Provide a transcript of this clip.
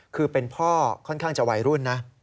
คือเป็นพ่อค่อนข้างจะวัยรุ่นนะ